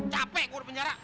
capek gua di penjara gak mau